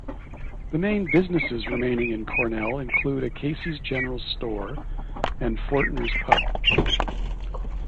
The main businesses remaining in Cornell include a Casey's General Store and Fortner's Pub.